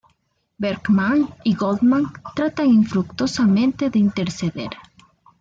Berkman y Goldman tratan infructuosamente de interceder.